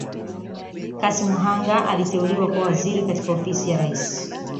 Kassim Hanga aliteuliwa kuwa Waziri katika Ofisi ya Rais